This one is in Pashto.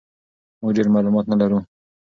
موږ ډېر معلومات نه لرو.